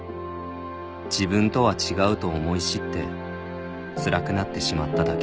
「自分とは違うと思い知ってつらくなってしまっただけ」